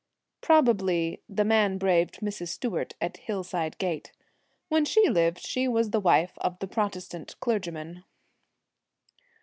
Probably the man braved Mrs. Stewart at Hillside Gate. When she lived she was the wife of the Protestant clergyman.